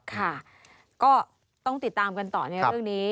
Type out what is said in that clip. ค่ะก็ต้องติดตามกันต่อในเรื่องนี้